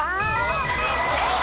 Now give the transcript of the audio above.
正解。